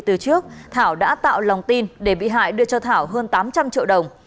thảo đã tạo lòng tin để bị hại đưa cho thảo hơn tám trăm linh triệu đồng